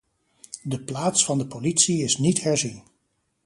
De plaats van de politie is niet herzien.